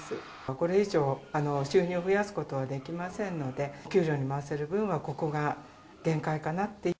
これ以上収入を増やすことはできませんので、給料に回せる分はここが限界かなって。